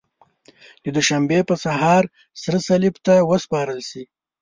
د دوشنبې په سهار سره صلیب ته وسپارل شي.